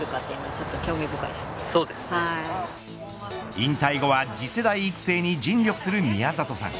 引退後は次世代育成に尽力する宮里さん。